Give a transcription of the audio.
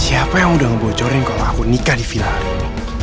siapa yang udah ngebocorin kalau aku nikah di villa hari ini